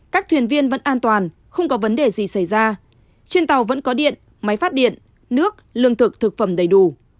các thuyền viên vẫn an toàn không có vấn đề gì xảy ra trên tàu vẫn có điện máy phát điện nước lương thực thực phẩm đầy đủ